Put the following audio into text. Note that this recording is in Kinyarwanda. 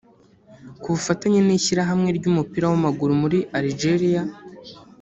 Ku bufatanye n’Ishyirahamwe ry’umupira w’amaguru muri Algeria